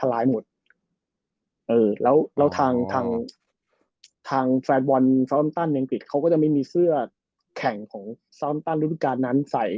แล้วทางแฟน๑ซัลต้านตั้นแนวอังกฤษเขาก็จะไม่มีเสื้อแข่งของซัลต้านตั้นรูปริศการนั้นใส่